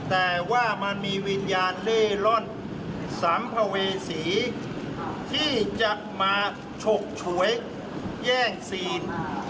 แต่ว่ามันมีวิญญาณเล่ร่อนสัมภเวษีที่จะมาฉกฉวยแย่งซีน